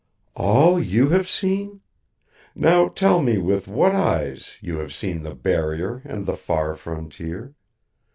"All you have seen? Now tell me with what eyes you have seen the Barrier and the Far Frontier?